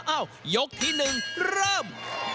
อ้าวยกที่๑เริ่ม